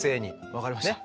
分かりました。